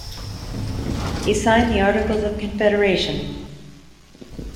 He signed the Articles of Confederation.